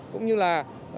cũng như là